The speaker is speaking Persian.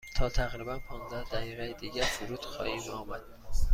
تا تقریبا پانزده دقیقه دیگر فرود خواهیم آمد.